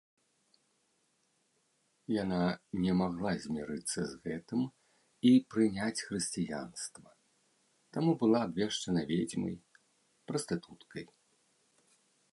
Яна не магла змірыцца з гэтым і прыняць хрысціянства, таму была абвешчана ведзьмай, прастытуткай.